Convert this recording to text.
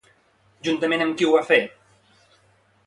Juntament amb qui ho va fer?